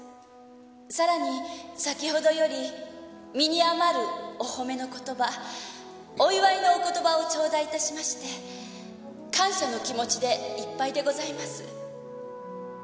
さらに先ほどより身に余るお褒めの言葉お祝いのお言葉をちょうだいいたしまして感謝の気持ちでいっぱいでございます。